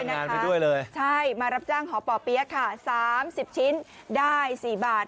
จ้างงานไปด้วยเลยใช่มารับจ้างห่อป่อเปี๊ยะค่ะสามสิบชิ้นได้สี่บาท